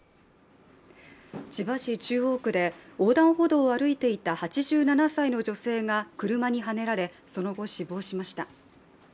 千葉市中央区で横断歩道を歩いていた８７歳の女性が車にはねられ、その後死亡しました。